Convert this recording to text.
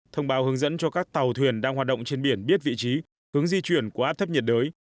thông báo hướng dẫn cho các tàu thuyền đang hoạt động trên biển biết vị trí hướng di chuyển của áp thấp nhiệt đới